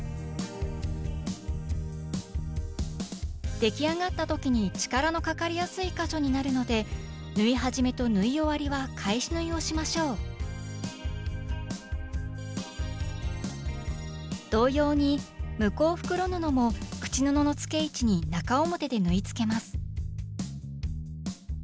出来上がった時に力のかかりやすい箇所になるので縫い始めと縫い終わりは返し縫いをしましょう同様に向こう袋布も口布の付け位置に中表で縫いつけます